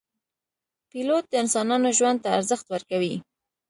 پیلوټ د انسانانو ژوند ته ارزښت ورکوي.